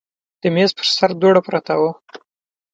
د میز پر سر دوړه پرته وه.